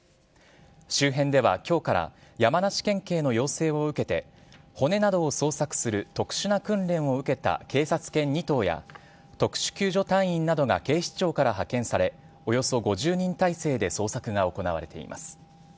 周辺ではきょうから、山梨県警の要請を受けて、骨などを捜索する特殊な訓練を受けた警察犬２頭や、特殊救助隊員などが警視庁から派遣され、およそ５０人態勢で捜索が行われています。